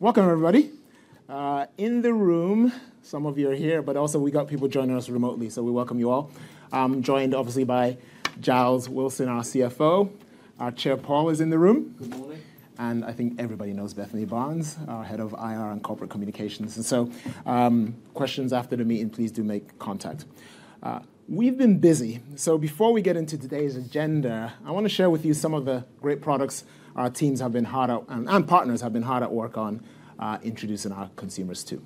Welcome, everybody. In the room, some of you are here, but also we got people joining us remotely, so we welcome you all. I'm joined, obviously, by Giles Wilson, our CFO. Our Chair Paul is in the room. Good morning. I think everybody knows Bethany Barnes, our Head of IR and Corporate Communications. Questions after the meeting, please do make contact. We've been busy. Before we get into today's agenda, I want to share with you some of the great products our teams have been hard at and partners have been hard at work on introducing our consumers to.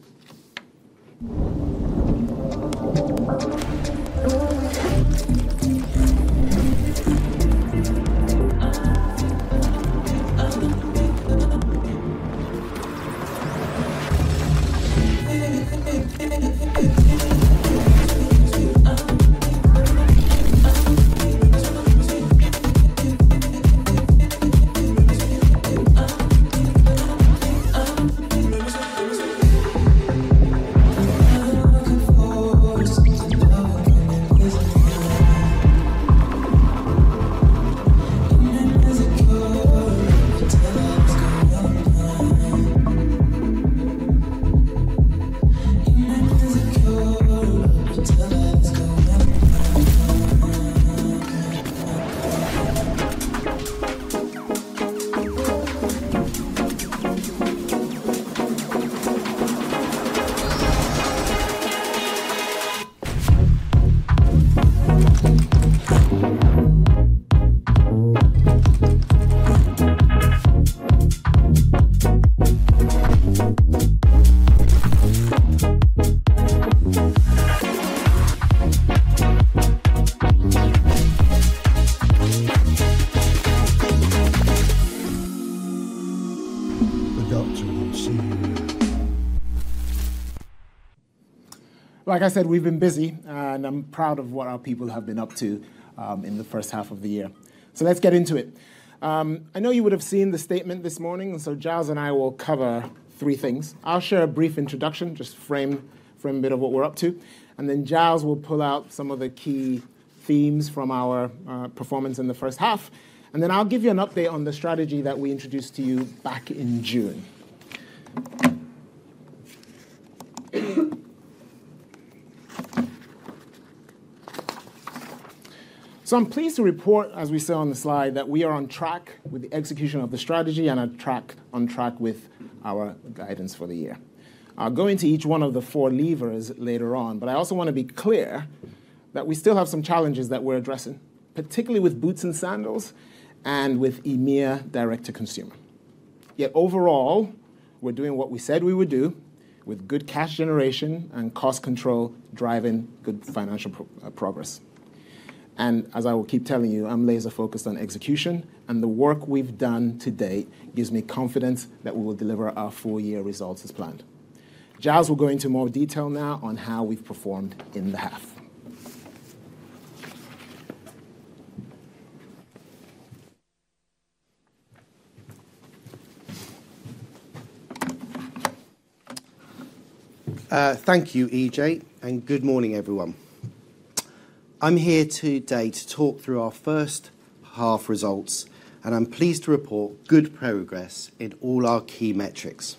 Like I said, we've been busy, and I'm proud of what our people have been up to in the 1st half of the year. Let's get into it. I know you would have seen the statement this morning, and Giles and I will cover three things. I'll share a brief introduction, just frame a bit of what we're up to, and then Giles will pull out some of the key themes from our performance in the 1st half. I'll give you an update on the strategy that we introduced to you back in June. I'm pleased to report, as we saw on the slide, that we are on track with the execution of the strategy and on track with our guidance for the year. I'll go into each one of the four levers later on, but I also want to be clear that we still have some challenges that we're addressing, particularly with boots and sandals and with EMEA direct-to-consumer. Yet overall, we're doing what we said we would do with good cash generation and cost control driving good financial progress. As I will keep telling you, I'm laser-focused on execution, and the work we've done to date gives me confidence that we will deliver our four-year results as planned. Giles will go into more detail now on how we've performed in the half. Thank you, Ije, and good morning, everyone. I'm here today to talk through our 1st half results, and I'm pleased to report good progress in all our key metrics.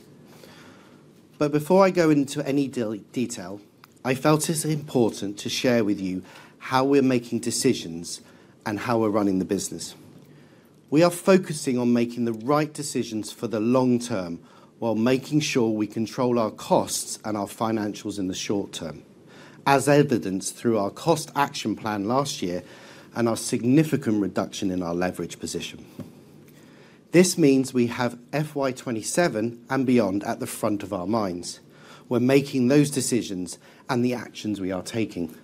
Before I go into any detail, I felt it's important to share with you how we're making decisions and how we're running the business. We are focusing on making the right decisions for the long term while making sure we control our costs and our financials in the short term, as evidenced through our cost action plan last year and our significant reduction in our leverage position. This means we have FY 2027 and beyond at the front of our minds. We're making those decisions and the actions we are taking.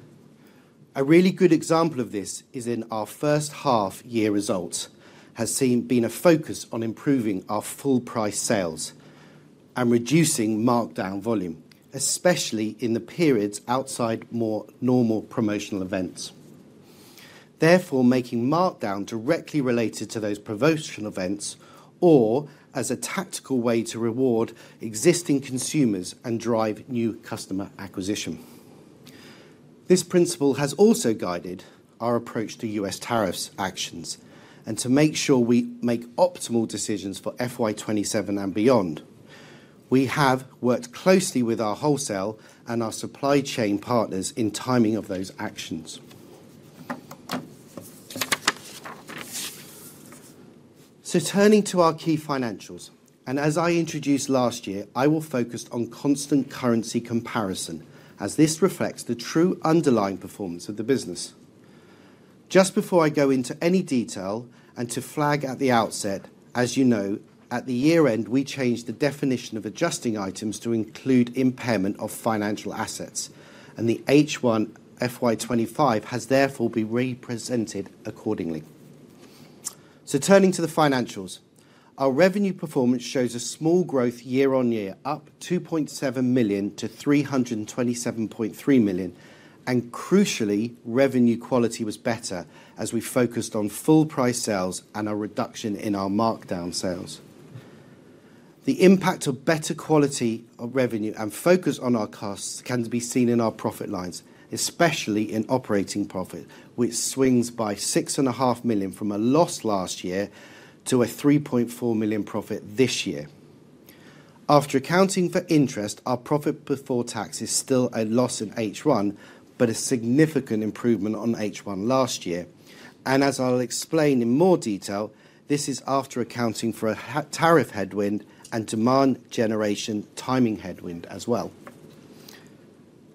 A really good example of this is in our 1st half-year results has been a focus on improving our full-price sales and reducing markdown volume, especially in the periods outside more normal promotional events. Therefore, making markdown directly related to those promotional events or as a tactical way to reward existing consumers and drive new customer acquisition. This principle has also guided our approach to U.S. tariffs actions and to make sure we make optimal decisions for FY 2027 and beyond. We have worked closely with our wholesale and our supply chain partners in timing of those actions. Turning to our key financials, and as I introduced last year, I will focus on constant currency comparison as this reflects the true underlying performance of the business. Just before I go into any detail and to flag at the outset, as you know, at the year-end, we changed the definition of adjusting items to include impairment of financial assets, and the H1 FY 2025 has therefore been represented accordingly. Turning to the financials, our revenue performance shows a small growth year-on-year, up 2.7 million to 327.3 million, and crucially, revenue quality was better as we focused on full-price sales and a reduction in our markdown sales. The impact of better quality of revenue and focus on our costs can be seen in our profit lines, especially in operating profit, which swings by 6.5 million from a loss last year to a 3.4 million profit this year. After accounting for interest, our profit before tax is still a loss in H1, but a significant improvement on H1 last year. As I'll explain in more detail, this is after accounting for a tariff headwind and demand generation timing headwind as well.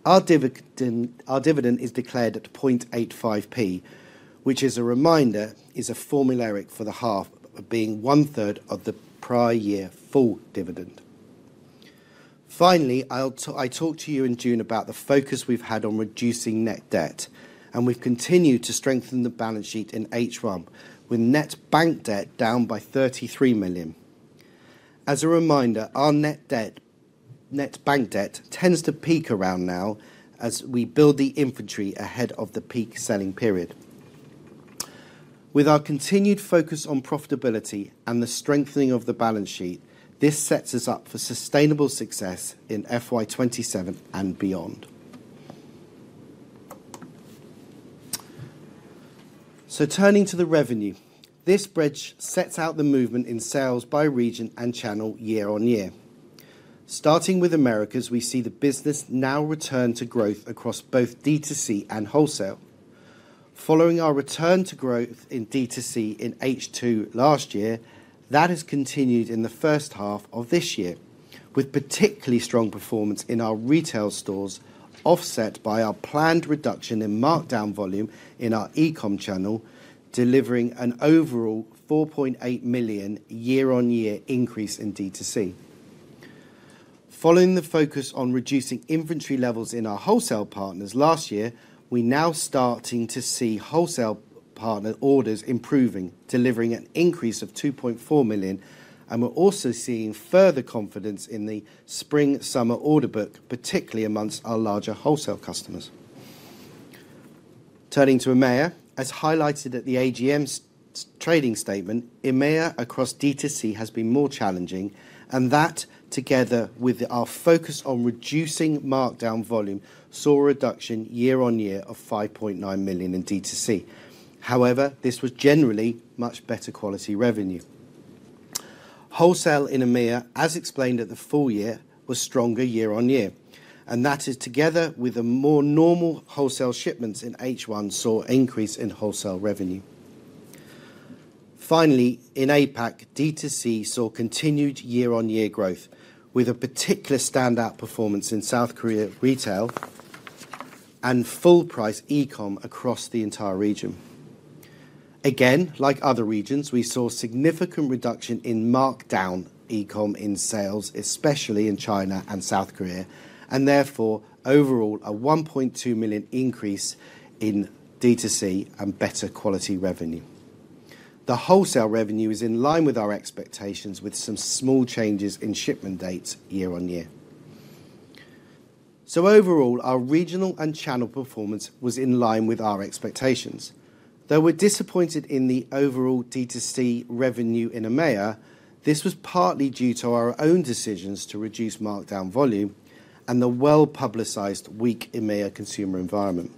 Our dividend is declared at 0.85, which, as a reminder, is formulaic for the half, being 1/3 of the prior year full dividend. Finally, I talked to you in June about the focus we've had on reducing net debt, and we've continued to strengthen the balance sheet in H1, with net bank debt down by 33 million. As a reminder, our net bank debt tends to peak around now as we build the inventory ahead of the peak selling period. With our continued focus on profitability and the strengthening of the balance sheet, this sets us up for sustainable success in FY 2027 and beyond. Turning to the revenue, this bridge sets out the movement in sales by region and channel year-on-year. Starting with Americas, we see the business now return to growth across both D2C and wholesale. Following our return to growth in D2C in H2 last year, that has continued in the 1st half of this year, with particularly strong performance in our retail stores, offset by our planned reduction in markdown volume in our e-com channel, delivering an overall 4.8 million year-on-year increase in D2C. Following the focus on reducing inventory levels in our wholesale partners last year, we're now starting to see wholesale partner orders improving, delivering an increase of 2.4 million, and we're also seeing further confidence in the spring-summer order book, particularly amongst our larger wholesale customers. Turning to EMEIA, as highlighted at the AGM's trading statement, EMEIA across D2C has been more challenging, and that, together with our focus on reducing markdown volume, saw a reduction year-on-year of 5.9 million in D2C. However, this was generally much better quality revenue. Wholesale in EMEIA, as explained at the full year, was stronger year-on-year, and that is together with the more normal wholesale shipments in H1 saw an increase in wholesale revenue. Finally, in APAC, D2C saw continued year-on-year growth, with a particular standout performance in South Korea retail and full-price e-com across the entire region. Again, like other regions, we saw a significant reduction in markdown e-com in sales, especially in China and South Korea, and therefore, overall, a 1.2 million increase in D2C and better quality revenue. The wholesale revenue is in line with our expectations, with some small changes in shipment dates year-on-year. Overall, our regional and channel performance was in line with our expectations. Though we're disappointed in the overall D2C revenue in EMEIA, this was partly due to our own decisions to reduce markdown volume and the well-publicized weak EMEIA consumer environment.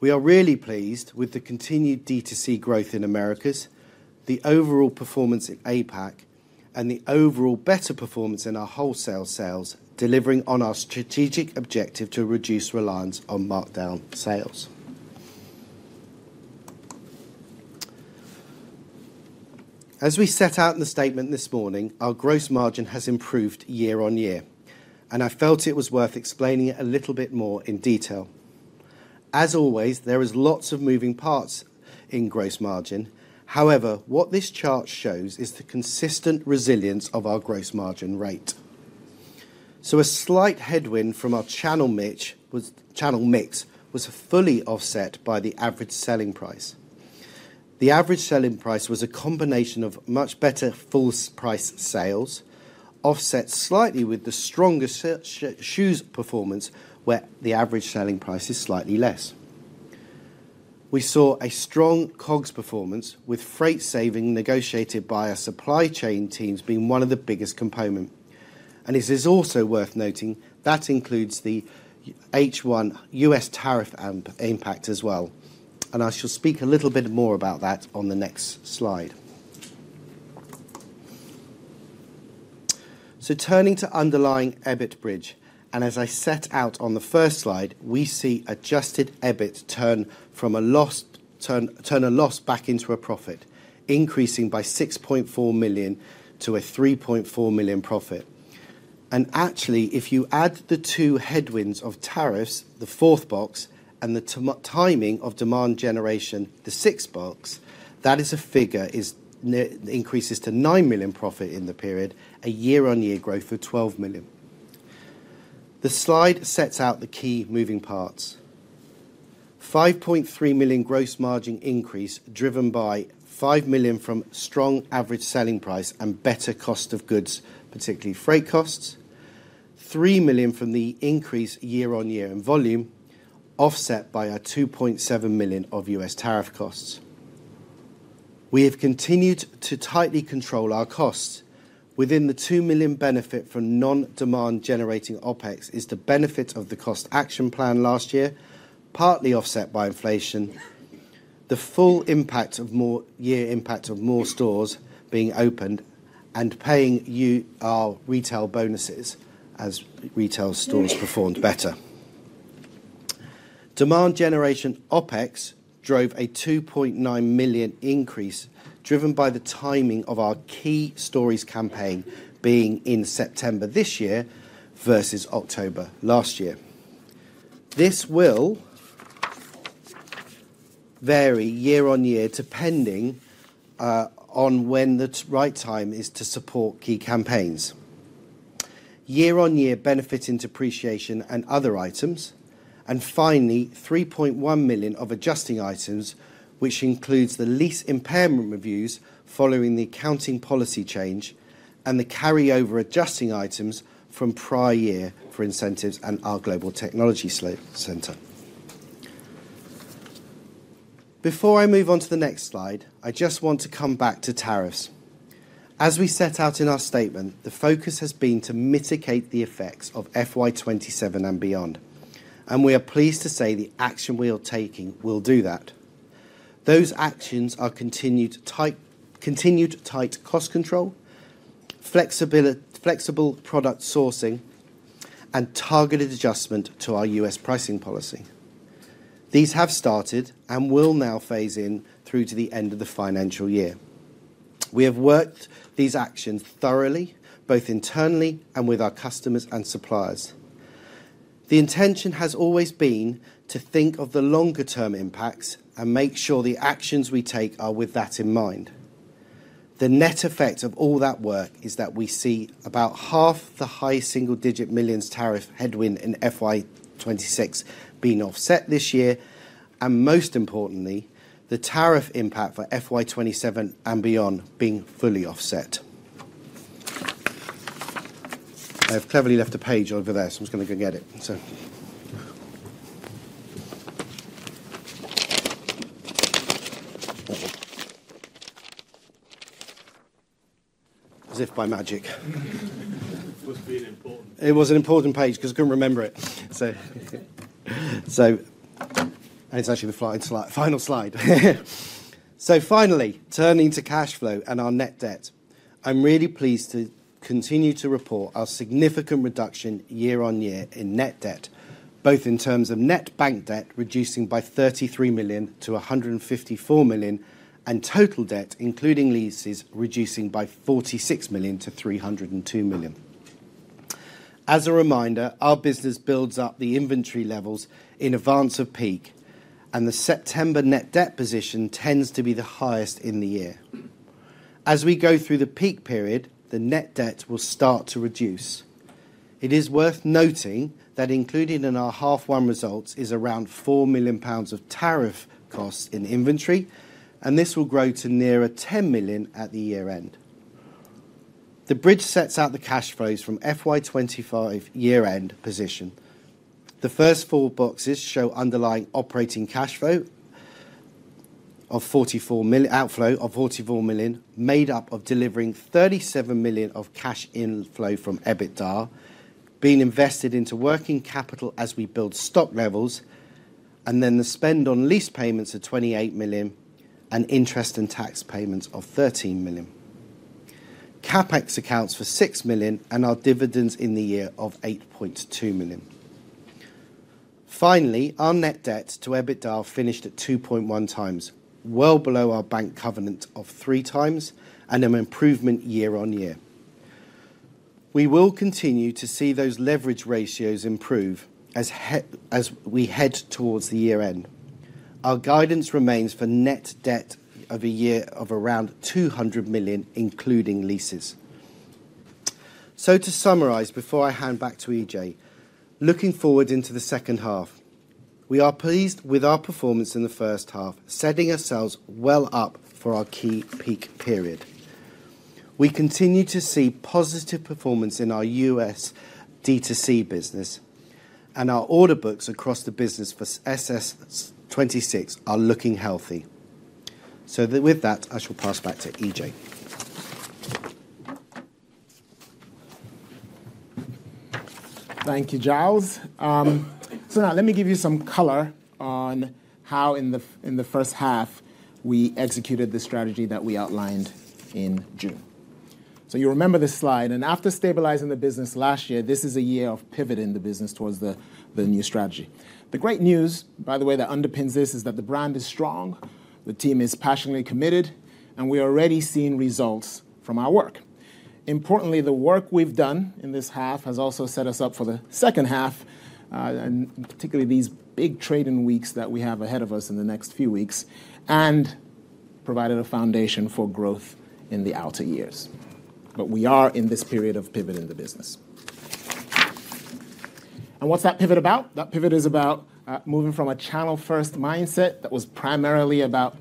We are really pleased with the continued D2C growth in Americas, the overall performance in APAC, and the overall better performance in our wholesale sales, delivering on our strategic objective to reduce reliance on markdown sales. As we set out in the statement this morning, our gross margin has improved year-on-year, and I felt it was worth explaining it a little bit more in detail. As always, there are lots of moving parts in gross margin. However, what this chart shows is the consistent resilience of our gross margin rate. A slight headwind from our channel mix was fully offset by the average selling price. The average selling price was a combination of much better full-price sales, offset slightly with the stronger shoes performance, where the average selling price is slightly less. We saw a strong COGS performance, with freight saving negotiated by our supply chain teams being one of the biggest components. It is also worth noting that includes the H1 U.S. tariff impact as well. I shall speak a little bit more about that on the next slide. Turning to underlying EBIT bridge, and as I set out on the first slide, we see adjusted EBIT turn a loss back into a profit, increasing by 6.4 million to a 3.4 million profit. Actually, if you add the two headwinds of tariffs, the fourth box, and the timing of demand generation, the sixth box, that figure increases to 9 million profit in the period, a year-on-year growth of 12 million. The slide sets out the key moving parts: 5.3 million gross margin increase driven by 5 million from strong average selling price and better cost of goods, particularly freight costs, 3 million from the increase year-on-year in volume, offset by our 2.7 million of U.S. tariff costs. We have continued to tightly control our costs. Within the 2 million benefit from non-demand-generating OPEX is the benefit of the cost action plan last year, partly offset by inflation, the full impact of more year impact of more stores being opened and paying you our retail bonuses as retail stores performed better. Demand generation OPEX drove a 2.9 million increase driven by the timing of our key stories campaign being in September this year versus October last year. This will vary year-on-year depending on when the right time is to support key campaigns. Year-on-year benefit into appreciation and other items, and finally, 3.1 million of adjusting items, which includes the lease impairment reviews following the accounting policy change and the carryover adjusting items from prior year for incentives and our global technology center. Before I move on to the next slide, I just want to come back to tariffs. As we set out in our statement, the focus has been to mitigate the effects of FY 2027 and beyond, and we are pleased to say the action we are taking will do that. Those actions are continued tight cost control, flexible product sourcing, and targeted adjustment to our US pricing policy. These have started and will now phase in through to the end of the financial year. We have worked these actions thoroughly, both internally and with our customers and suppliers. The intention has always been to think of the longer-term impacts and make sure the actions we take are with that in mind. The net effect of all that work is that we see about half the high single-digit millions tariff headwind in FY 2026 being offset this year, and most importantly, the tariff impact for FY 2027 and beyond being fully offset. I have cleverly left a page over there, so I am just going to go get it. As if by magic. It must have been important. It was an important page because I could not remember it. And it is actually the final slide. Finally, turning to cash flow and our net debt, I'm really pleased to continue to report our significant reduction year-on-year in net debt, both in terms of net bank debt reducing by 33 million to 154 million and total debt, including leases, reducing by 46 million to 302 million. As a reminder, our business builds up the inventory levels in advance of peak, and the September net debt position tends to be the highest in the year. As we go through the peak period, the net debt will start to reduce. It is worth noting that included in our half-one results is around 4 million pounds of tariff costs in inventory, and this will grow to nearer 10 million at the year-end. The bridge sets out the cash flows from FY 2025 year-end position. The first four boxes show underlying operating cash flow of 44 million made up of delivering 37 million of cash inflow from EBITDA, being invested into working capital as we build stock levels, and then the spend on lease payments of 28 million and interest and tax payments of 13 million. CapEx accounts for 6 million and our dividends in the year of 8.2 million. Finally, our net debt to EBITDA finished at 2.1x, well below our bank covenant of 3x and an improvement year-on-year. We will continue to see those leverage ratios improve as we head towards the year-end. Our guidance remains for net debt of a year of around 200 million, including leases. To summarize before I hand back to Ije, looking forward into the 2nd half, we are pleased with our performance in the 1st half, setting ourselves well up for our key peak period. We continue to see positive performance in our US D2C business, and our order books across the business for SS26 are looking healthy. With that, I shall pass back to Ije. Thank you, Giles. Now let me give you some color on how in the 1st half we executed the strategy that we outlined in June. You remember this slide, and after stabilizing the business last year, this is a year of pivoting the business towards the new strategy. The great news, by the way, that underpins this is that the brand is strong, the team is passionately committed, and we are already seeing results from our work. Importantly, the work we've done in this half has also set us up for the 2nd half, particularly these big trading weeks that we have ahead of us in the next few weeks, and provided a foundation for growth in the outer years. We are in this period of pivot in the business. What's that pivot about? That pivot is about moving from a channel-first mindset that was primarily about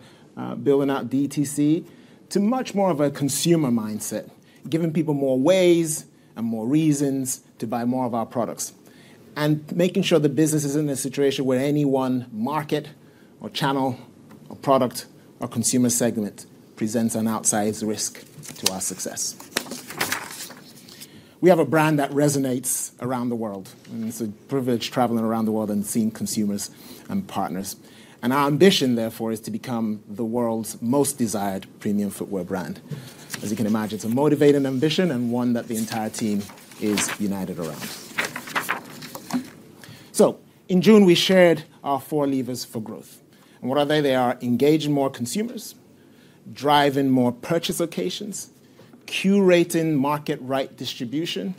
building out D2C to much more of a consumer mindset, giving people more ways and more reasons to buy more of our products, and making sure the business is in a situation where any one market or channel or product or consumer segment presents an outsized risk to our success. We have a brand that resonates around the world, and it's a privilege travelling around the world and seeing consumers and partners. Our ambition, therefore, is to become the world's most desired premium footwear brand. As you can imagine, it's a motivating ambition and one that the entire team is united around. In June, we shared our four levers for growth. What are they? They are engaging more consumers, driving more purchase locations, curating market right distribution,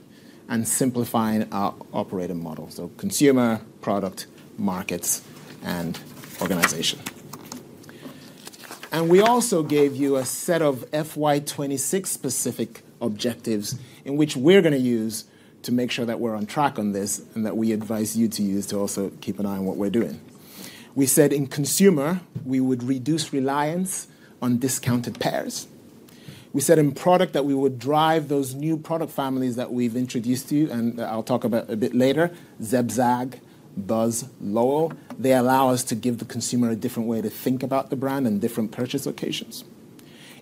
and simplifying our operating model. Consumer, product, markets, and organisation. We also gave you a set of FY 2026-specific objectives in which we're going to use to make sure that we're on track on this and that we advise you to use to also keep an eye on what we're doing. We said in consumer, we would reduce reliance on discounted pairs. We said in product that we would drive those new product families that we've introduced to you, and I'll talk about a bit later, Zebzag, Buzz, Lowell. They allow us to give the consumer a different way to think about the brand and different purchase locations.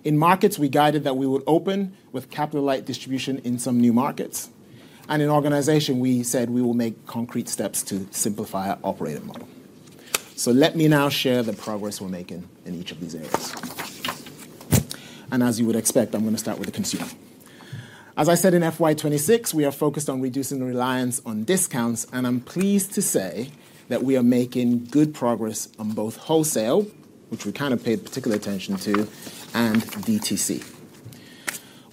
In markets, we guided that we would open with capital-light distribution in some new markets. In organisation, we said we will make concrete steps to simplify our operating model. Let me now share the progress we're making in each of these areas. As you would expect, I'm going to start with the consumer. As I said in FY 2026, we are focused on reducing reliance on discounts, and I'm pleased to say that we are making good progress on both wholesale, which we kind of paid particular attention to, and DTC.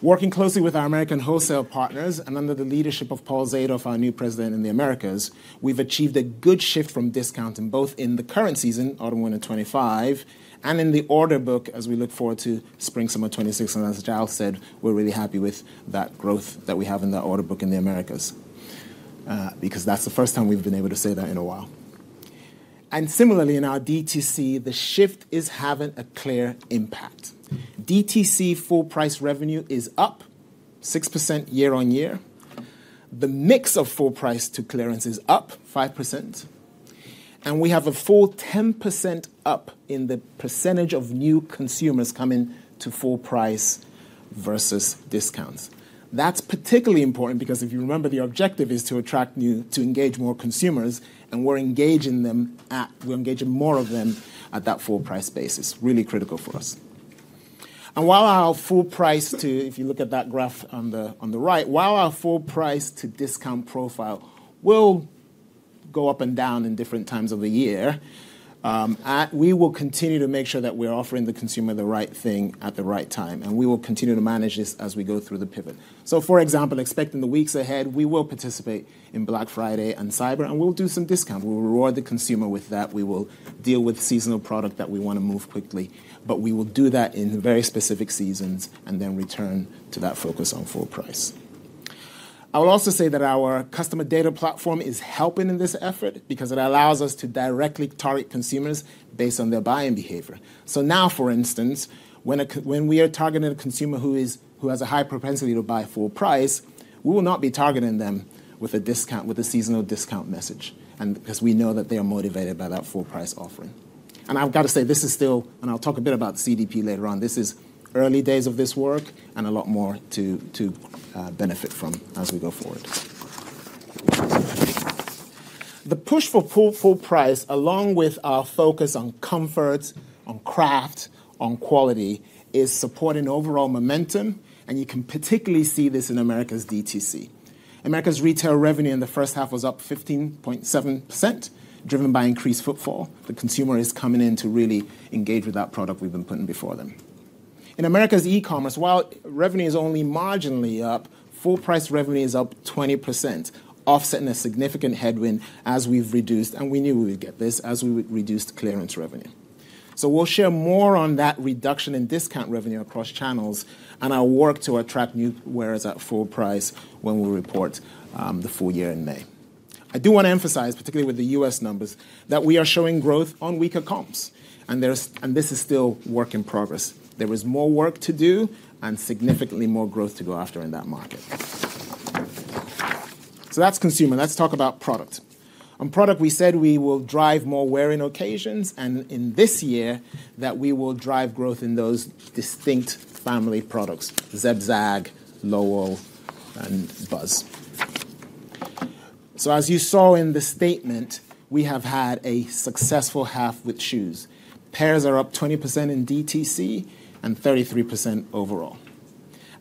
Working closely with our American wholesale partners and under the leadership of Paul Zadov, our new President in the Americas, we've achieved a good shift from discounting both in the current season, autumn 2025, and in the order book as we look forward to spring summer 2026. As Giles said, we're really happy with that growth that we have in the order book in the Americas because that's the first time we've been able to say that in a while. Similarly, in our DTC, the shift is having a clear impact. DTC full price revenue is up 6% year-on-year. The mix of full price to clearance is up 5%. We have a full 10% up in the percentage of new consumers coming to full price versus discounts. That's particularly important because if you remember, the objective is to attract new to engage more consumers, and we're engaging them at we're engaging more of them at that full price basis. Really critical for us. While our full price to if you look at that graph on the right, while our full price to discount profile will go up and down in different times of the year, we will continue to make sure that we're offering the consumer the right thing at the right time. We will continue to manage this as we go through the pivot. For example, expect in the weeks ahead, we will participate in Black Friday and cyber, and we'll do some discount. We'll reward the consumer with that. We will deal with seasonal product that we want to move quickly, but we will do that in very specific seasons and then return to that focus on full price. I will also say that our customer data platform is helping in this effort because it allows us to directly target consumers based on their buying behavior. For instance, when we are targeting a consumer who has a high propensity to buy full price, we will not be targeting them with a discount, with a seasonal discount message, because we know that they are motivated by that full price offering. I've got to say, this is still, and I'll talk a bit about CDP later on, this is early days of this work. A lot more to benefit from as we go forward. The push for full price, along with our focus on comfort, on craft, on quality, is supporting overall momentum, and you can particularly see this in America's DTC. America's retail revenue in the 1st half was up 15.7%, driven by increased footfall. The consumer is coming in to really engage with that product we've been putting before them. In America's e-commerce, while revenue is only marginally up, full price revenue is up 20%, offsetting a significant headwind as we've reduced, and we knew we would get this as we would reduce clearance revenue. We will share more on that reduction in discount revenue across channels and our work to attract new wearers at full price when we report the full year in May. I do want to emphasize, particularly with the US numbers, that we are showing growth on weaker comps, and this is still work in progress. There is more work to do and significantly more growth to go after in that market. That is consumer. Let's talk about product. On product, we said we will drive more wearing occasions, and in this year, that we will drive growth in those distinct family products, Zebzag, Lowell, and Buzz. As you saw in the statement, we have had a successful half with shoes. Pairs are up 20% in DTC and 33% overall.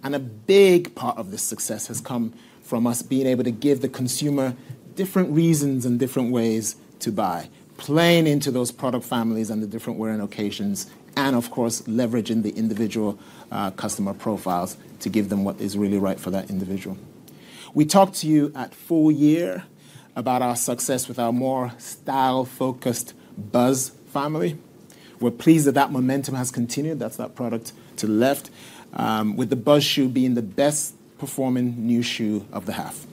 A big part of this success has come from us being able to give the consumer different reasons and different ways to buy, playing into those product families and the different wearing occasions, and of course, leveraging the individual customer profiles to give them what is really right for that individual. We talked to you at full year about our success with our more style-focused Buzz family. We're pleased that that momentum has continued. That's that product to the left, with the Buzz shoe being the best-performing new shoe of the half.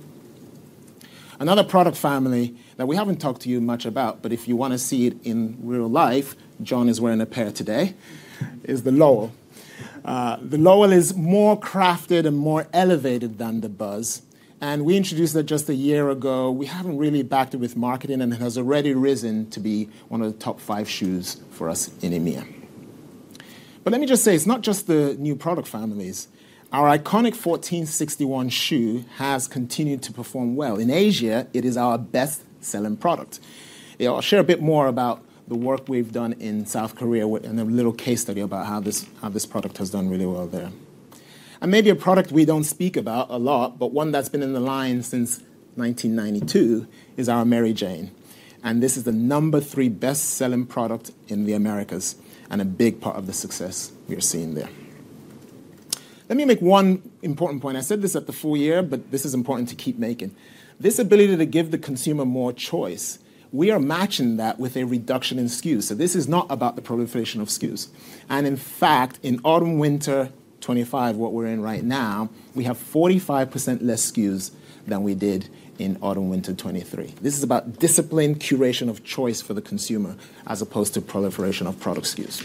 Another product family that we haven't talked to you much about, but if you want to see it in real life, John is wearing a pair today, is the Lowell. The Lowell is more crafted and more elevated than the Buzz, and we introduced it just a year ago. We haven't really backed it with marketing, and it has already risen to be one of the top five shoes for us in EMEIA. Let me just say, it's not just the new product families. Our iconic 1461 shoe has continued to perform well. In Asia, it is our best-selling product. I'll share a bit more about the work we've done in South Korea and a little case study about how this product has done really well there. Maybe a product we do not speak about a lot, but one that has been in the line since 1992 is our Mary Jane. This is the number three best-selling product in the Americas and a big part of the success we are seeing there. Let me make one important point. I said this at the full year, but this is important to keep making. This ability to give the consumer more choice, we are matching that with a reduction in SKUs. This is not about the proliferation of SKUs. In fact, in autumn/winter 2025, what we are in right now, we have 45% less SKUs than we did in autumn/winter 2023. This is about disciplined curation of choice for the consumer as opposed to proliferation of product SKUs.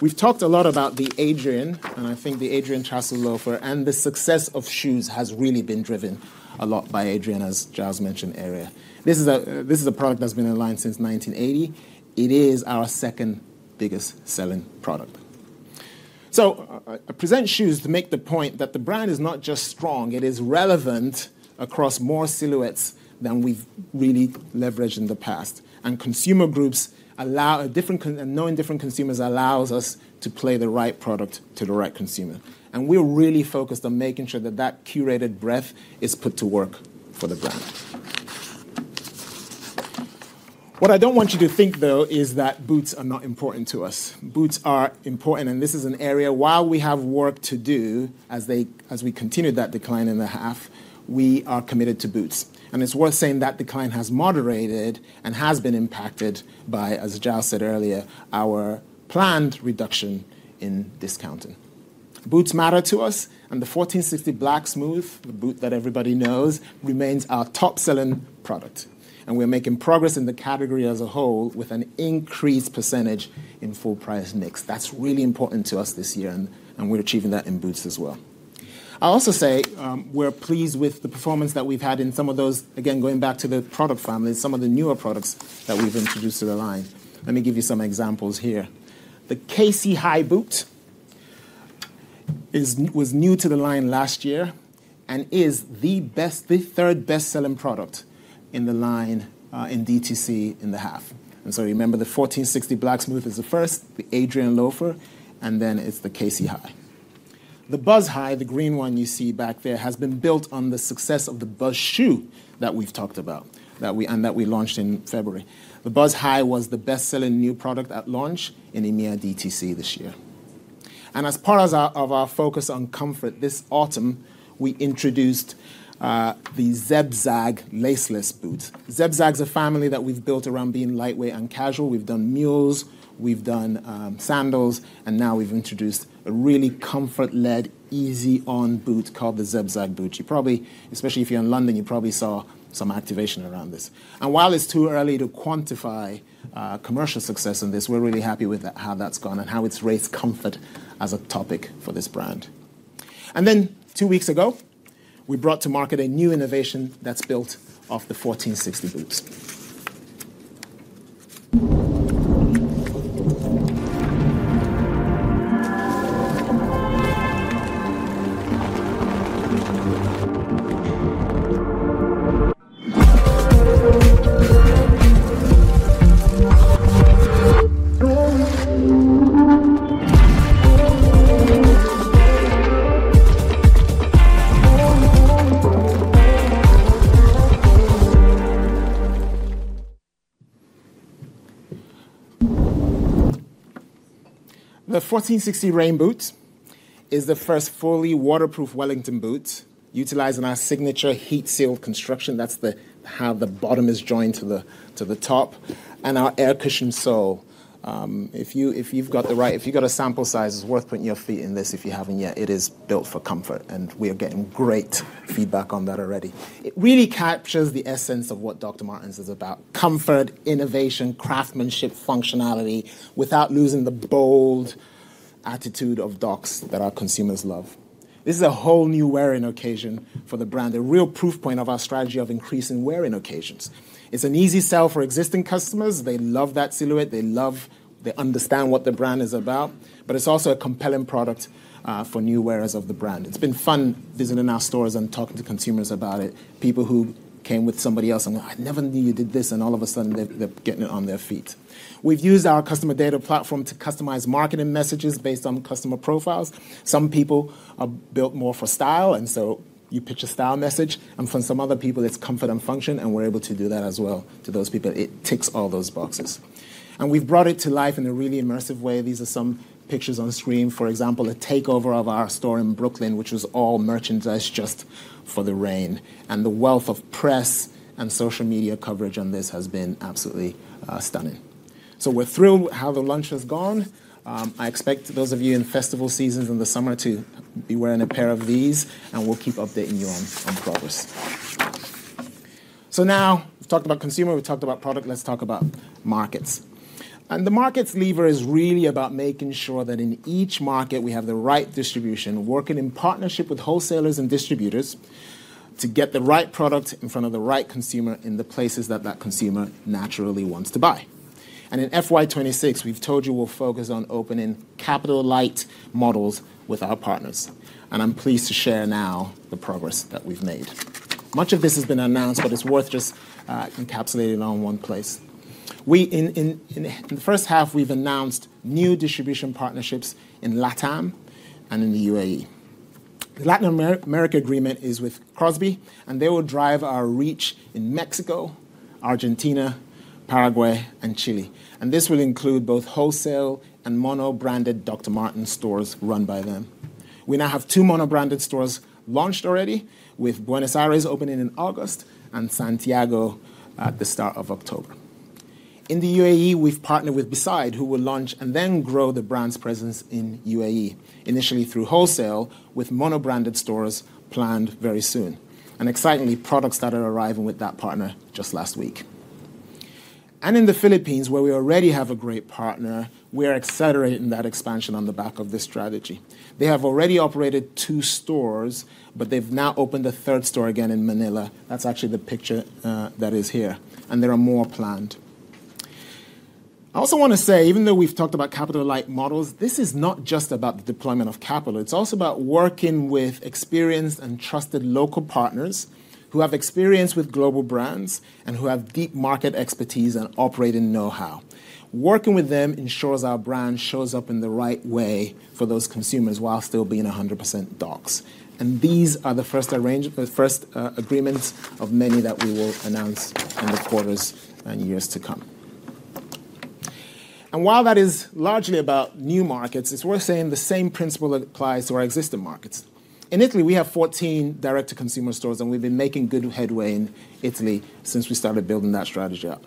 We've talked a lot about the Adrian, and I think the Adrian Loafer, and the success of shoes has really been driven a lot by Adrian, as Giles mentioned earlier. This is a product that's been in line since 1980. It is our second biggest-selling product. I present shoes to make the point that the brand is not just strong. It is relevant across more silhouettes than we've really leveraged in the past. Consumer groups allow a different and knowing different consumers allows us to play the right product to the right consumer. We're really focused on making sure that that curated breadth is put to work for the brand. What I don't want you to think, though, is that boots are not important to us. Boots are important, and this is an area while we have work to do as we continue that decline in the half, we are committed to boots. It is worth saying that decline has moderated and has been impacted by, as Giles said earlier, our planned reduction in discounting. Boots matter to us, and the 1460 Black Smooth, the boot that everybody knows, remains our top-selling product. We are making progress in the category as a whole with an increased percentage in full price mix. That is really important to us this year, and we are achieving that in boots as well. I will also say we are pleased with the performance that we have had in some of those, again, going back to the product families, some of the newer products that we have introduced to the line. Let me give you some examples here. The KC High Boot was new to the line last year and is the third best-selling product in the line in DTC in the half. Remember, the 1460 Black Smooth is the first, the Adrian Loafer, and then it's the KC High. The Buzz High, the green one you see back there, has been built on the success of the Buzz shoe that we've talked about and that we launched in February. The Buzz High was the best-selling new product at launch in EMEA DTC this year. As part of our focus on comfort this autumn, we introduced the Zebzag laceless boots. Zebzag is a family that we've built around being lightweight and casual. We've done mules, we've done sandals, and now we've introduced a really comfort-led, easy-on boot called the Zebzag boot. You probably, especially if you're in London, you probably saw some activation around this. While it's too early to quantify commercial success in this, we're really happy with how that's gone and how it's raised comfort as a topic for this brand. Two weeks ago, we brought to market a new innovation that's built off the 1460 boots. The 1460 Rain Boots is the first fully waterproof Wellington boot utilizing our signature heat-sealed construction. That's how the bottom is joined to the top and our air-cushioned sole. If you've got a sample size, it's worth putting your feet in this. If you haven't yet, it is built for comfort, and we are getting great feedback on that already. It really captures the essence of what Dr. Martens is about: comfort, innovation, craftsmanship, functionality without losing the bold attitude of docs that our consumers love. This is a whole new wearing occasion for the brand, a real proof point of our strategy of increasing wearing occasions. It's an easy sell for existing customers. They love that silhouette. They understand what the brand is about, but it's also a compelling product for new wearers of the brand. It's been fun visiting our stores and talking to consumers about it, people who came with somebody else and, "I never knew you did this," and all of a sudden, they're getting it on their feet. We've used our customer data platform to customise marketing messages based on customer profiles. Some people are built more for style, and you pitch a style message. For some other people, it's comfort and function, and we're able to do that as well to those people. It ticks all those boxes. We have brought it to life in a really immersive way. These are some pictures on screen. For example, a takeover of our store in Brooklyn, which was all merchandise just for the rain. The wealth of press and social media coverage on this has been absolutely stunning. We are thrilled how the launch has gone. I expect those of you in festival seasons in the summer to be wearing a pair of these, and we will keep updating you on progress. We have talked about consumer. We have talked about product. Let us talk about markets. The markets lever is really about making sure that in each market we have the right distribution, working in partnership with wholesalers and distributors to get the right product in front of the right consumer in the places that that consumer naturally wants to buy. In FY 2026, we've told you we'll focus on opening capital-light models with our partners. I'm pleased to share now the progress that we've made. Much of this has been announced, but it's worth just encapsulating it all in one place. In the 1st half, we've announced new distribution partnerships in LATAM and in the UAE. The Latin America agreement is with Crosby, and they will drive our reach in Mexico, Argentina, Paraguay, and Chile. This will include both wholesale and monobranded Dr. Martens stores run by them. We now have two monobranded stores launched already, with Buenos Aires opening in August and Santiago at the start of October. In the UAE, we've partnered with Beside, who will launch and then grow the brand's presence in UAE, initially through wholesale with monobranded stores planned very soon, and excitingly, products that are arriving with that partner just last week. In the Philippines, where we already have a great partner, we are accelerating that expansion on the back of this strategy. They have already operated two stores, but they've now opened a third store again in Manila. That is actually the picture that is here. There are more planned. I also want to say, even though we've talked about capital-light models, this is not just about the deployment of capital. It is also about working with experienced and trusted local partners who have experience with global brands and who have deep market expertise and operating know-how. Working with them ensures our brand shows up in the right way for those consumers while still being 100% Docs. These are the first agreements of many that we will announce in the quarters and years to come. While that is largely about new markets, it's worth saying the same principle applies to our existing markets. In Italy, we have 14 direct-to-consumer stores, and we've been making good headway in Italy since we started building that strategy up.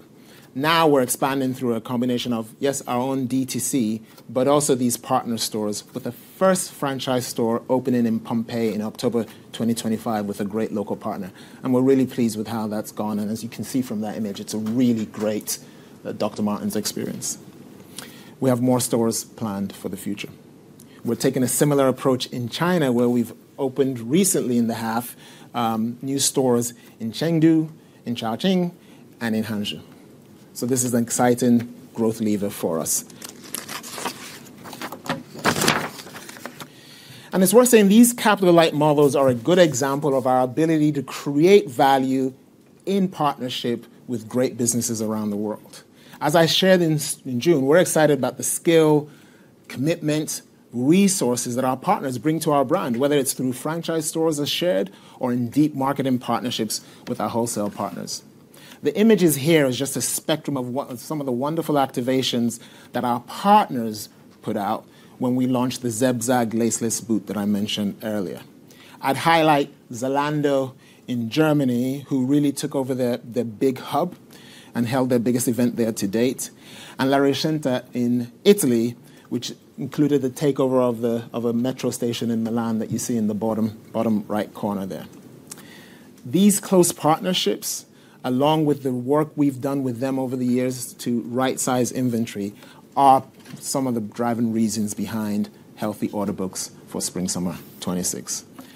Now we're expanding through a combination of, yes, our own DTC, but also these partner stores, with the first franchise store opening in Pompei in October 2025 with a great local partner. We're really pleased with how that's gone. As you can see from that image, it's a really great Dr. Martens experience. We have more stores planned for the future. We're taking a similar approach in China, where we've opened recently in the half new stores in Chengdu, in Chongqing, and in Hangzhou. This is an exciting growth lever for us. It is worth saying these capital-light models are a good example of our ability to create value in partnership with great businesses around the world. As I shared in June, we are excited about the skill, commitment, and resources that our partners bring to our brand, whether it is through franchise stores as shared or in deep marketing partnerships with our wholesale partners. The images here are just a spectrum of some of the wonderful activations that our partners put out when we launched the Zebzag laceless boot that I mentioned earlier. I would highlight Zalando in Germany, who really took over the big hub and held their biggest event there to date, and La Rinascente in Italy, which included the takeover of a metro station in Milano that you see in the bottom right corner there. These close partnerships, along with the work we've done with them over the years to right-size inventory, are some of the driving reasons behind healthy order books for Spring/Summer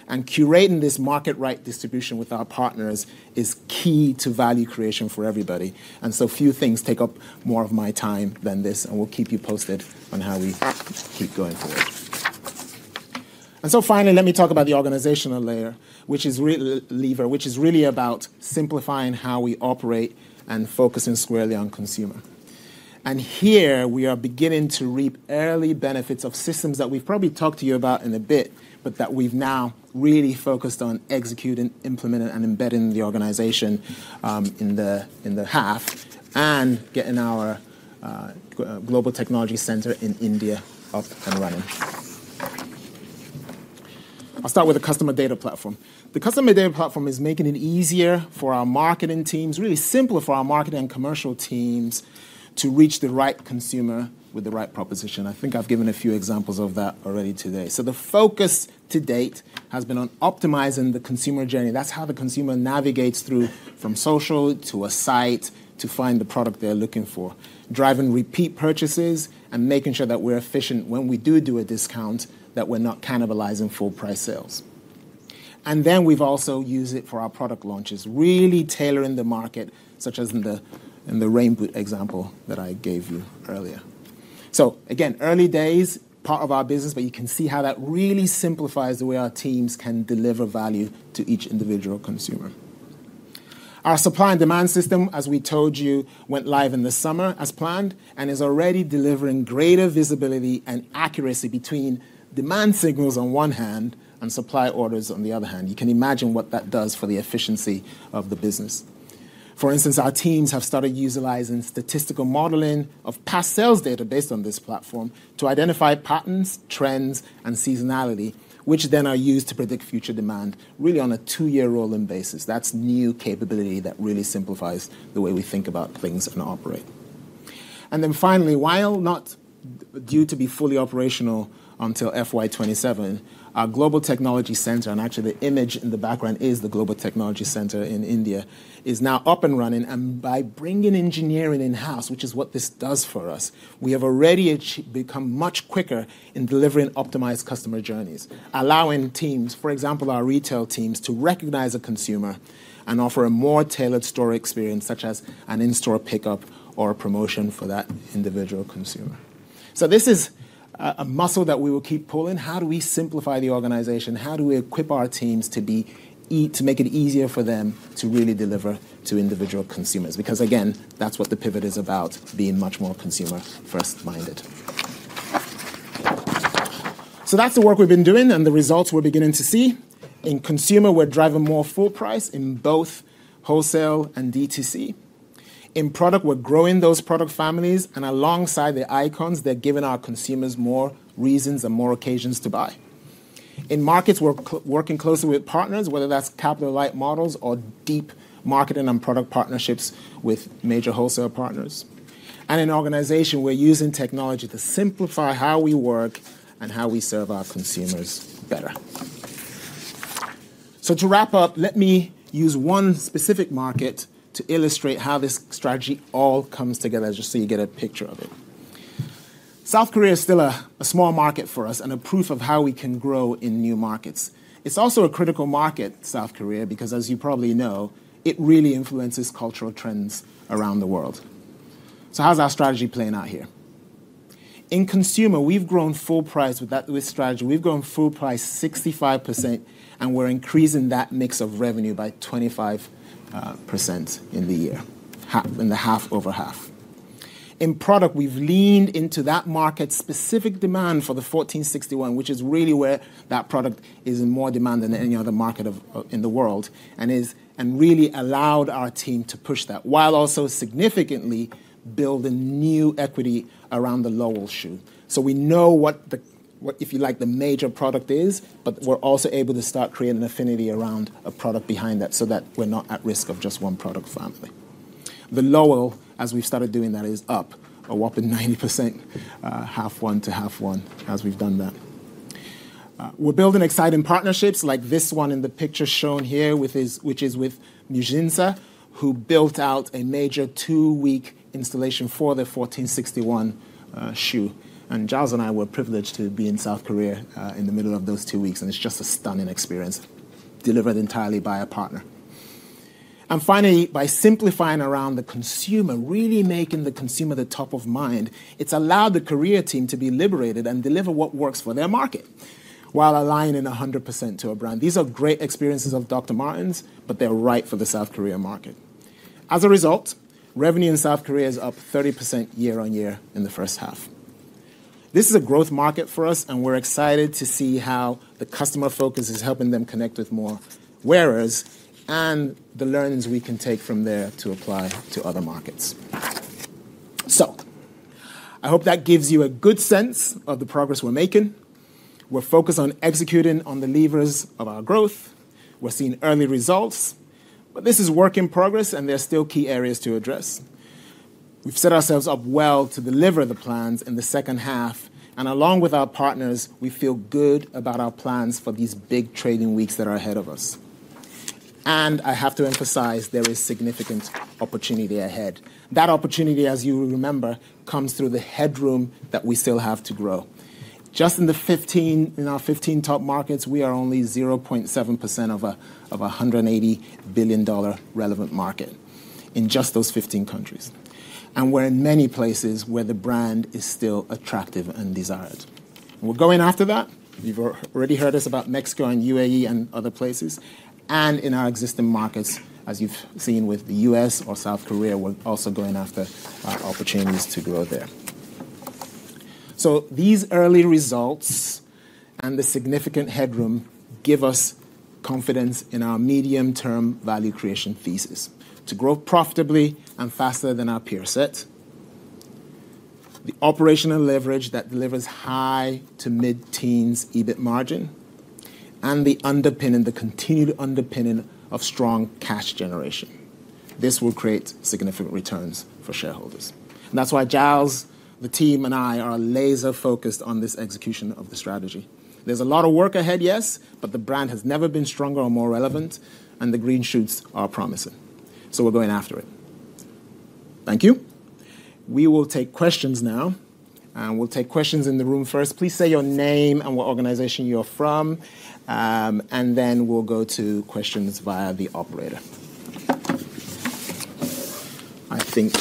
2026. Curating this market-right distribution with our partners is key to value creation for everybody. Few things take up more of my time than this, and we'll keep you posted on how we keep going forward. Finally, let me talk about the organisational layer, which is really about simplifying how we operate and focusing squarely on consumer. Here we are beginning to reap early benefits of systems that we've probably talked to you about in a bit, but that we've now really focused on executing, implementing, and embedding in the organisation in the half and getting our global technology centre in India up and running. I'll start with the customer data platform. The customer data platform is making it easier for our marketing teams, really simpler for our marketing and commercial teams to reach the right consumer with the right proposition. I think I've given a few examples of that already today. The focus to date has been on optimizing the consumer journey. That's how the consumer navigates through from social to a site to find the product they're looking for, driving repeat purchases and making sure that we're efficient when we do do a discount, that we're not cannibalizing full-price sales. We have also used it for our product launches, really tailoring the market, such as in the Rain Boot example that I gave you earlier. Early days, part of our business, but you can see how that really simplifies the way our teams can deliver value to each individual consumer. Our supply and demand system, as we told you, went live in the summer as planned and is already delivering greater visibility and accuracy between demand signals on one hand and supply orders on the other hand. You can imagine what that does for the efficiency of the business. For instance, our teams have started utilizing statistical modeling of past sales data based on this platform to identify patterns, trends, and seasonality, which then are used to predict future demand, really on a two-year rolling basis. That is new capability that really simplifies the way we think about things and operate. Finally, while not due to be fully operational until FY 2027, our global technology center, and actually the image in the background is the global technology center in India, is now up and running. By bringing engineering in-house, which is what this does for us, we have already become much quicker in delivering optimised customer journeys, allowing teams, for example, our retail teams, to recognise a consumer and offer a more tailored store experience, such as an in-store pickup or a promotion for that individual consumer. This is a muscle that we will keep pulling. How do we simplify the organisation? How do we equip our teams to make it easier for them to really deliver to individual consumers? Because again, that's what the pivot is about, being much more consumer-first minded. That is the work we've been doing, and the results we're beginning to see. In consumer, we're driving more full-price in both wholesale and DTC. In product, we're growing those product families, and alongside the icons, they're giving our consumers more reasons and more occasions to buy. In markets, we're working closely with partners, whether that's capital-light models or deep marketing and product partnerships with major wholesale partners. In organisation, we're using technology to simplify how we work and how we serve our consumers better. To wrap up, let me use one specific market to illustrate how this strategy all comes together, just so you get a picture of it. South Korea is still a small market for us and a proof of how we can grow in new markets. It's also a critical market, South Korea, because as you probably know, it really influences cultural trends around the world. How's our strategy playing out here? In consumer, we've grown full-price with that strategy. We've grown full-price 65%, and we're increasing that mix of revenue by 25% in the year, in the half over half. In product, we've leaned into that market-specific demand for the 1461, which is really where that product is in more demand than any other market in the world and really allowed our team to push that while also significantly building new equity around the Lowell shoe. We know what, if you like, the major product is, but we're also able to start creating an affinity around a product behind that so that we're not at risk of just one product family. The Lowell, as we've started doing that, is up a whopping 90%, half one to half one as we've done that. We're building exciting partnerships like this one in the picture shown here, which is with Mujinsa, who built out a major two-week installation for the 1461 shoe. Giles and I were privileged to be in South Korea in the middle of those two weeks, and it's just a stunning experience delivered entirely by a partner. Finally, by simplifying around the consumer, really making the consumer the top of mind, it's allowed the Korea team to be liberated and deliver what works for their market while aligning 100% to a brand. These are great experiences of Dr. Martens, but they're right for the South Korea market. As a result, revenue in South Korea is up 30% year-on-year in the 1st half. This is a growth market for us, and we're excited to see how the customer focus is helping them connect with more wearers and the learnings we can take from there to apply to other markets. I hope that gives you a good sense of the progress we're making. We're focused on executing on the levers of our growth. We're seeing early results, but this is work in progress, and there are still key areas to address. We've set ourselves up well to deliver the plans in the 2nd half, along with our partners, we feel good about our plans for these big trading weeks that are ahead of us. I have to emphasize there is significant opportunity ahead. That opportunity, as you remember, comes through the headroom that we still have to grow. Just in our 15 top markets, we are only 0.7% of a $180 billion relevant market in just those 15 countries. We're in many places where the brand is still attractive and desired. We're going after that. You've already heard us about Mexico and UAE and other places. In our existing markets, as you've seen with the U.S. or South Korea, we're also going after opportunities to grow there. These early results and the significant headroom give us confidence in our medium-term value creation thesis to grow profitably and faster than our peer set, the operational leverage that delivers high to mid-teens EBIT margin, and the continued underpinning of strong cash generation. This will create significant returns for shareholders. That is why Giles, the team, and I are laser-focused on this execution of the strategy. There is a lot of work ahead, yes, but the brand has never been stronger or more relevant, and the green shoots are promising. We are going after it. Thank you. We will take questions now, and we'll take questions in the room first. Please say your name and what organization you're from, and then we'll go to questions via the operator. I think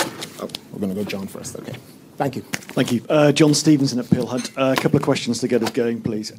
we're going to go John first. Okay. Thank you. Thank you. John Stevenson at Peel Hunt, a couple of questions to get us going, please.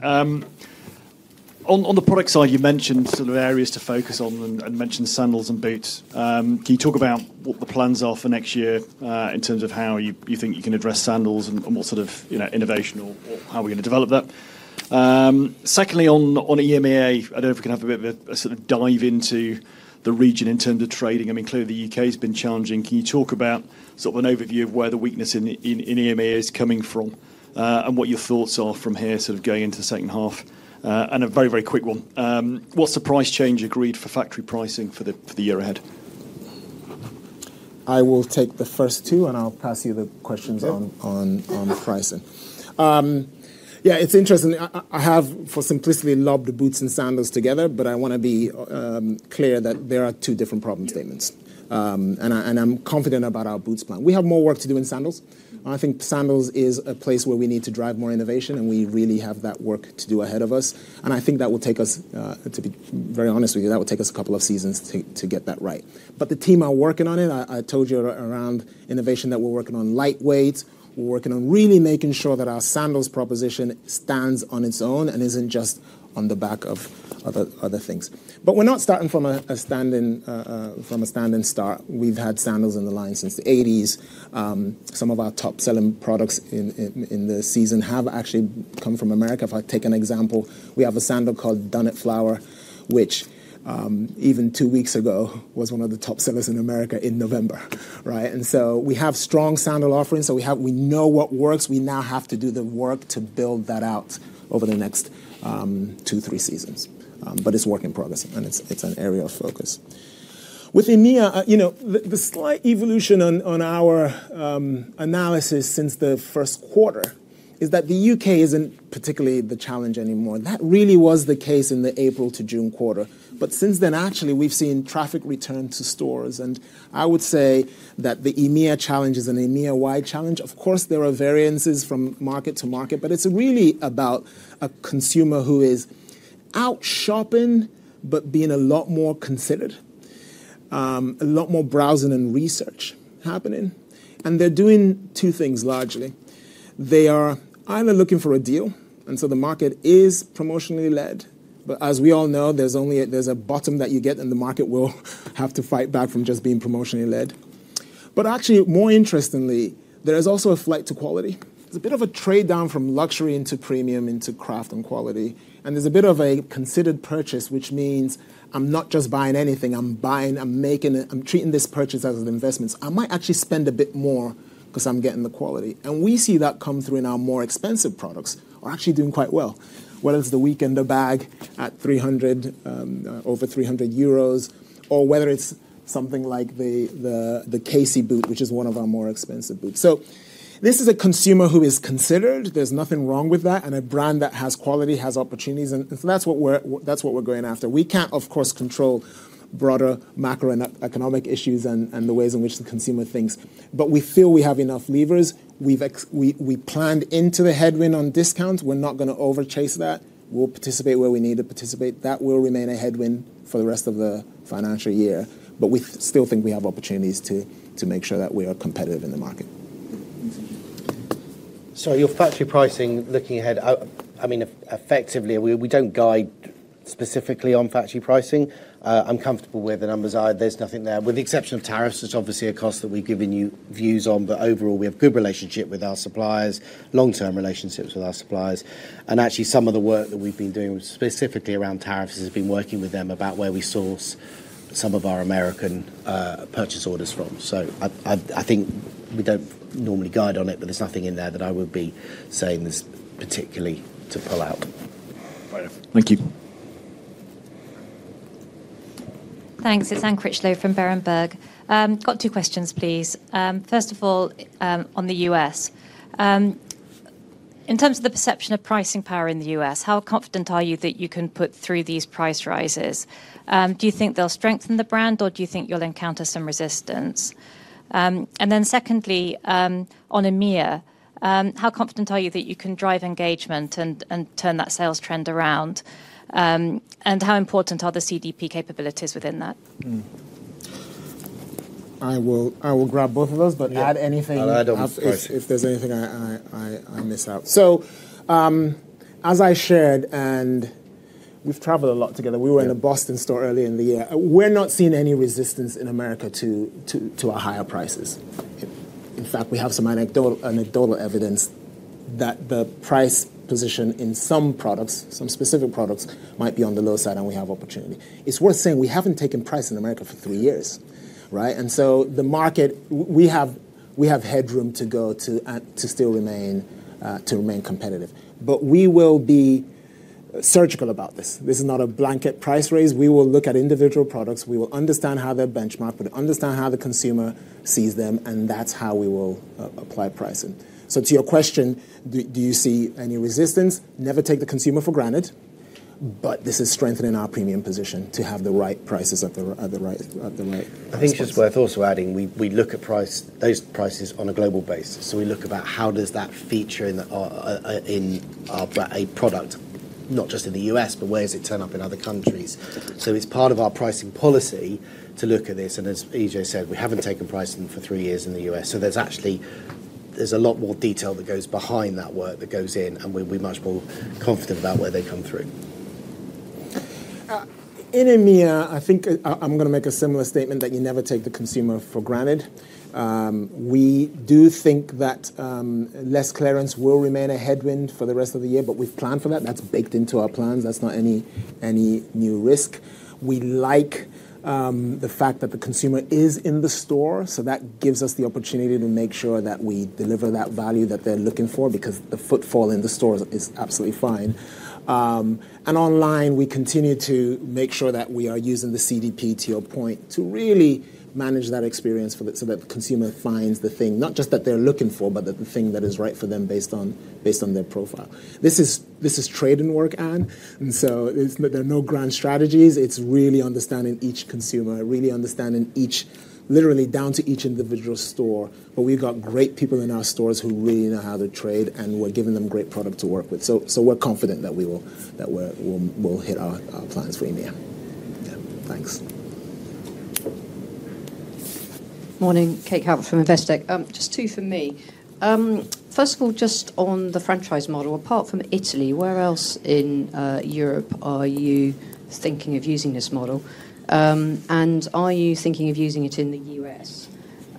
On the product side, you mentioned sort of areas to focus on and mentioned sandals and boots. Can you talk about what the plans are for next year in terms of how you think you can address sandals and what sort of innovation or how we're going to develop that? Secondly, on EMEA, I don't know if we can have a bit of a sort of dive into the region in terms of trading. I mean, clearly, the U.K. has been challenging. Can you talk about sort of an overview of where the weakness in EMEA is coming from and what your thoughts are from here sort of going into the 2nd half? And a very, very quick one. What's the price change agreed for factory pricing for the year ahead? I will take the first two, and I'll pass you the questions on pricing. Yeah, it's interesting. I have, for simplicity, lobbed the boots and sandals together, but I want to be clear that there are two different problem statements, and I'm confident about our boots plan. We have more work to do in sandals. I think sandals is a place where we need to drive more innovation, and we really have that work to do ahead of us. I think that will take us, to be very honest with you, that will take us a couple of seasons to get that right. The team are working on it. I told you around innovation that we're working on lightweight. We're working on really making sure that our sandals proposition stands on its own and isn't just on the back of other things. We're not starting from a standing start. We've had sandals in the line since the 1980s. Some of our top-selling products in the season have actually come from America. If I take an example, we have a sandal called Dunit Flower, which even two weeks ago was one of the top sellers in America in November, right? We have strong sandal offerings, so we know what works. We now have to do the work to build that out over the next two to three seasons. It's work in progress, and it's an area of focus. With EMEA, the slight evolution on our analysis since the 1st quarter is that the U.K. isn't particularly the challenge anymore. That really was the case in the April to June quarter. Since then, actually, we've seen traffic return to stores. I would say that the EMEIA challenge is an EMEIA-wide challenge. Of course, there are variances from market to market, but it's really about a consumer who is out shopping but being a lot more considered, a lot more browsing and research happening. They're doing two things largely. They are either looking for a deal, and so the market is promotionally led. As we all know, there's a bottom that you get, and the market will have to fight back from just being promotionally led. More interestingly, there is also a flight to quality. There's a bit of a trade down from luxury into premium into craft and quality. There's a bit of a considered purchase, which means I'm not just buying anything. I'm making it. I'm treating this purchase as an investment. I might actually spend a bit more because I'm getting the quality. And we see that come through in our more expensive products are actually doing quite well, whether it's the weekend bag at over 300 euros or whether it's something like the Casey boot, which is one of our more expensive boots. So this is a consumer who is considered. There's nothing wrong with that. And a brand that has quality has opportunities. And so that's what we're going after. We can't, of course, control broader macro and economic issues and the ways in which the consumer thinks, but we feel we have enough levers. We've planned into the headwind on discounts. We're not going to overchase that. We'll participate where we need to participate. That will remain a headwind for the rest of the financial year. We still think we have opportunities to make sure that we are competitive in the market. Your factory pricing, looking ahead, I mean, effectively, we do not guide specifically on factory pricing. I am comfortable where the numbers are. There is nothing there. With the exception of tariffs, it is obviously a cost that we have given you views on. Overall, we have good relationships with our suppliers, long-term relationships with our suppliers. Actually, some of the work that we have been doing specifically around tariffs has been working with them about where we source some of our American purchase orders from. I think we do not normally guide on it, but there is nothing in there that I would be saying is particularly to pull out. Thank you. Thanks. It is Anne Critchlow from Berenberg. Got two questions, please. First of all, on the U.S., in terms of the perception of pricing power in the U.S., how confident are you that you can put through these price rises? Do you think they'll strengthen the brand, or do you think you'll encounter some resistance? Secondly, on EMEIA, how confident are you that you can drive engagement and turn that sales trend around? How important are the CDP capabilities within that? I will grab both of those, but add anything if there's anything I miss out. As I shared, and we've travelled a lot together, we were in a Boston store earlier in the year. We're not seeing any resistance in America to our higher prices. In fact, we have some anecdotal evidence that the price position in some products, some specific products, might be on the low side, and we have opportunity. It's worth saying we haven't taken price in America for three years, right? The market, we have headroom to go to still remain competitive. We will be surgical about this. This is not a blanket price raise. We will look at individual products. We will understand how they're benchmarked, understand how the consumer sees them, and that's how we will apply pricing. To your question, do you see any resistance? Never take the consumer for granted, but this is strengthening our premium position to have the right prices at the right position. I think it's just worth also adding we look at those prices on a global basis. We look at how does that feature in a product, not just in the U.S., but where does it turn up in other countries. It's part of our pricing policy to look at this. As Ije said, we have not taken pricing for three years in the U.S.. There is a lot more detail that goes behind that work that goes in, and we are much more confident about where they come through. In EMEIA, I think I am going to make a similar statement that you never take the consumer for granted. We do think that less clearance will remain a headwind for the rest of the year, but we have planned for that. That is baked into our plans. That is not any new risk. We like the fact that the consumer is in the store, so that gives us the opportunity to make sure that we deliver that value that they are looking for because the footfall in the store is absolutely fine. Online, we continue to make sure that we are using the CDP, to your point, to really manage that experience so that the consumer finds the thing, not just that they're looking for, but the thing that is right for them based on their profile. This is trade and work, Anne. There are no grand strategies. It's really understanding each consumer, really understanding literally down to each individual store. We have great people in our stores who really know how to trade, and we're giving them great product to work with. We are confident that we'll hit our plans for EMEIA. Yeah, thanks. Morning, Kate Calvert from Investec. Just two for me. First of all, just on the franchise model, apart from Italy, where else in Europe are you thinking of using this model? Are you thinking of using it in the U.S.?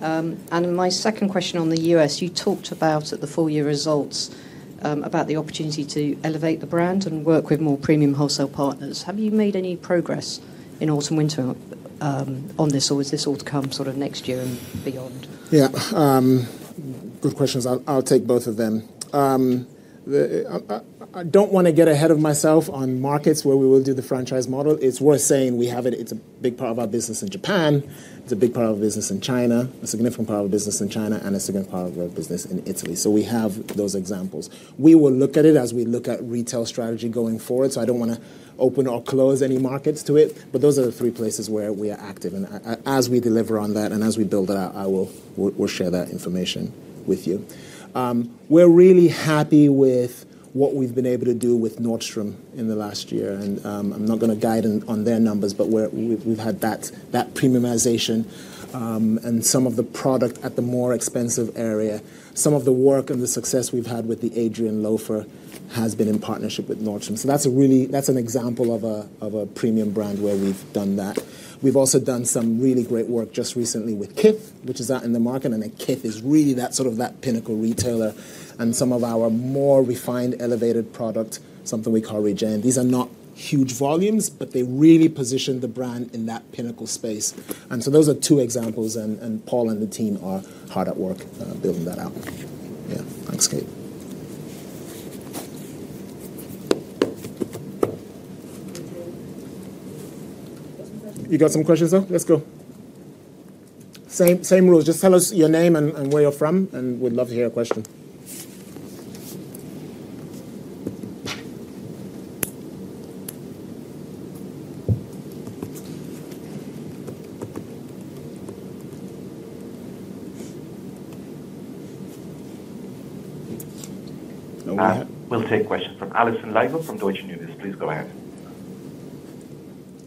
My second question on the U.S., you talked about at the full year results about the opportunity to elevate the brand and work with more premium wholesale partners. Have you made any progress in autumn/winter on this, or is this all to come sort of next year and beyond? Good questions. I'll take both of them. I don't want to get ahead of myself on markets where we will do the franchise model. It's worth saying we have it. It's a big part of our business in Japan. It's a big part of our business in China, a significant part of our business in China, and a significant part of our business in Italy. We have those examples. We will look at it as we look at retail strategy going forward. I don't want to open or close any markets to it. Those are the three places where we are active. As we deliver on that and as we build it out, I will share that information with you. We're really happy with what we've been able to do with Nordstrom in the last year. I'm not going to guide on their numbers, but we've had that premiumisation and some of the product at the more expensive area. Some of the work and the success we've had with the Adrian Loafer has been in partnership with Nordstrom. That's an example of a premium brand where we've done that. We've also done some really great work just recently with Kith, which is out in the market. Kith is really sort of that pinnacle retailer. Some of our more refined, elevated product, something we call Regene, these are not huge volumes, but they really position the brand in that pinnacle space. Those are two examples, and Paul and the team are hard at work building that out. Yeah, thanks, Kate. You got some questions? Let's go. Same rules. Just tell us your name and where you're from, and we'd love to hear a question. We'll take a question from Alison Lygo from Deutsche Bank. Please go ahead.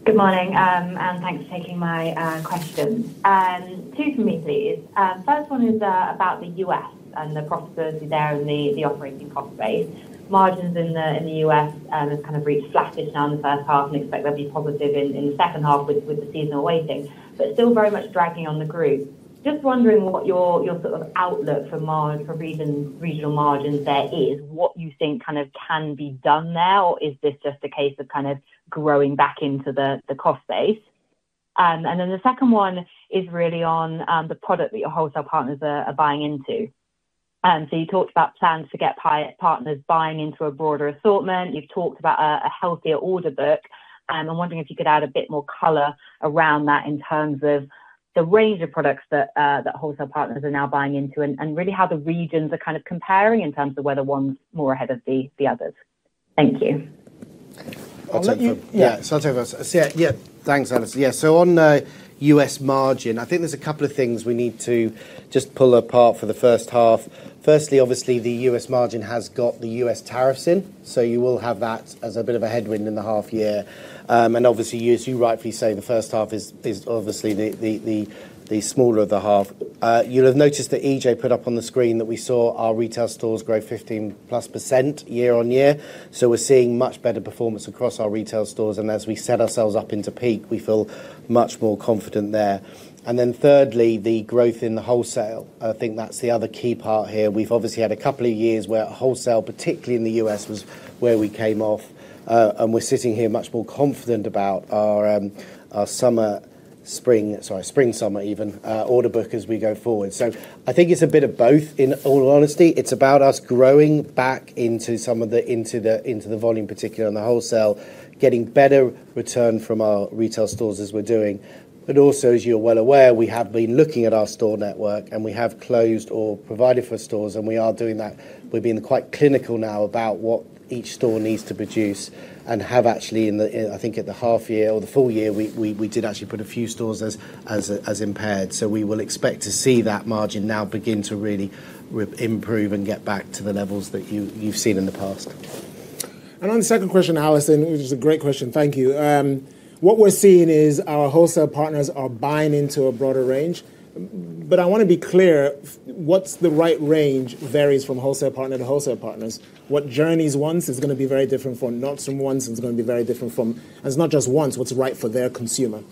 Good morning, and thanks for taking my questions. Two for me, please. First one is about the U.S. and the profitability there in the operating cost space. Margins in the U.S. have kind of reached flattish now in the 1st half and expect they'll be positive in the 2nd half with the seasonal waiting, but still very much dragging on the groove. Just wondering what your sort of outlook for regional margins there is, what you think kind of can be done there, or is this just a case of kind of growing back into the cost space? The second one is really on the product that your wholesale partners are buying into. You talked about plans to get partners buying into a broader assortment. You have talked about a healthier order book. I am wondering if you could add a bit more color around that in terms of the range of products that wholesale partners are now buying into and really how the regions are kind of comparing in terms of whether one is more ahead of the others. Thank you. Yeah, I will take that. Yeah, thanks, Alison. Yeah, on U.S. margin, I think there are a couple of things we need to just pull apart for the 1st half. Firstly, obviously, the U.S. margin has got the U.S. tariffs in, so you will have that as a bit of a headwind in the half year. Obviously, as you rightfully say, the 1st half is obviously the smaller of the half. You'll have noticed that Ije put up on the screen that we saw our retail stores grow 15+% year-on-year. We are seeing much better performance across our retail stores. As we set ourselves up into peak, we feel much more confident there. Thirdly, the growth in the wholesale. I think that's the other key part here. We've obviously had a couple of years where wholesale, particularly in the U.S., was where we came off. We are sitting here much more confident about our spring-summer even order book as we go forward. I think it's a bit of both, in all honesty. It's about us growing back into some of the volume, particularly on the wholesale, getting better return from our retail stores as we're doing. Also, as you're well aware, we have been looking at our store network, and we have closed or provided for stores, and we are doing that. We've been quite clinical now about what each store needs to produce and have actually, I think, at the half year or the full year, we did actually put a few stores as impaired. We will expect to see that margin now begin to really improve and get back to the levels that you've seen in the past. On the second question, Alison, which is a great question, thank you. What we're seeing is our wholesale partners are buying into a broader range. I want to be clear, what's the right range varies from wholesale partner to wholesale partner. What Journeys wants is going to be very different from what Nordstrom wants, is going to be very different from, and it's not just wants, what's right for their consumer.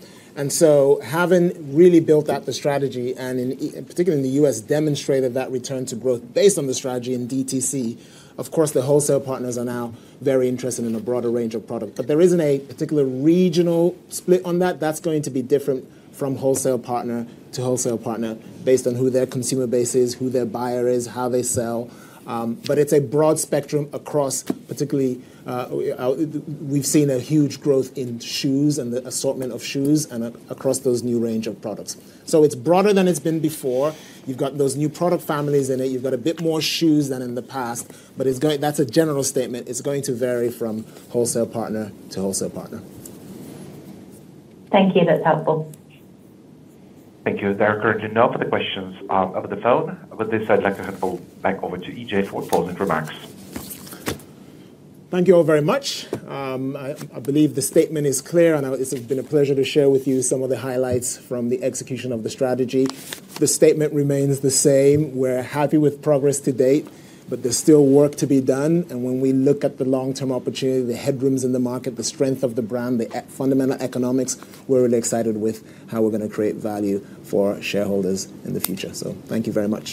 Having really built out the strategy, and particularly in the U.S., demonstrated that return to growth based on the strategy in DTC, of course, the wholesale partners are now very interested in a broader range of product. There isn't a particular regional split on that. That's going to be different from wholesale partner to wholesale partner based on who their consumer base is, who their buyer is, how they sell. It's a broad spectrum across, particularly, we've seen a huge growth in shoes and the assortment of shoes and across those new range of products. It is broader than it has been before. You have got those new product families in it. You have got a bit more shoes than in the past. That is a general statement. It is going to vary from wholesale partner to wholesale partner. Thank you. That is helpful. Thank you, Derek. Now for the questions over the phone. With this, I would like to hand back over to Ije for closing remarks. Thank you all very much. I believe the statement is clear, and it has been a pleasure to share with you some of the highlights from the execution of the strategy. The statement remains the same. We are happy with progress to date, but there is still work to be done. When we look at the long-term opportunity, the headrooms in the market, the strength of the brand, the fundamental economics, we're really excited with how we're going to create value for shareholders in the future. Thank you very much.